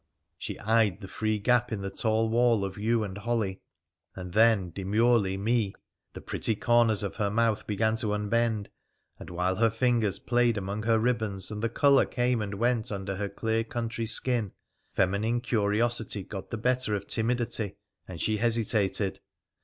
She eyed the free gap in the tall wall of yew and holly, and then, demurely, me. The pretty corners of her mouth began to unbend, and while her fingers played among her ribbons, and the colour came and went under her clear country skin, feminine curiosity got the better of timidity, and she hesitated.